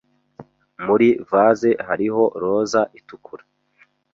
Muri vase hariho roza itukura.